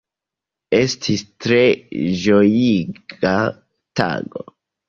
Estis tre ĝojiga tago.